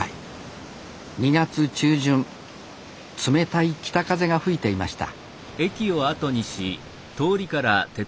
２月中旬冷たい北風が吹いていました